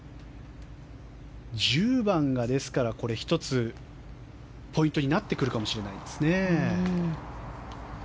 １０番が１つポイントになってくるかもしれないですね。